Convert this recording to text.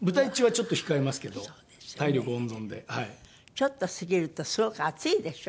ちょっとすぎるとすごく暑いでしょ？